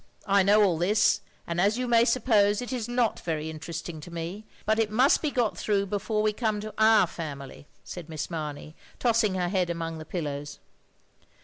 I know all this, and, as you may suppose, it is not very interesting to me, but it must be got through before we come to our family," said Miss Mamey, tossing her head among the pillows.